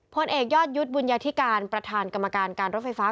พลเอกยอดยุทธ์บุญญาธิการประธานกรรมการการรถไฟฟ้า